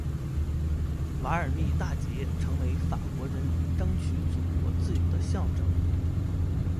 瓦尔密大捷成为法国人民争取祖国自由的象征。